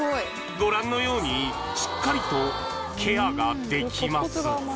ご覧のようにしっかりとケアができます